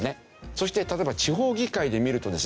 そして例えば地方議会で見るとですね